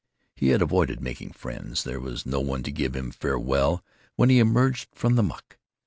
He had avoided making friends. There was no one to give him farewell when he emerged from the muck.